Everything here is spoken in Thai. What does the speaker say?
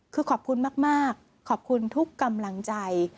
คือขอบคุณมากขอบคุณทุกกำลังใจ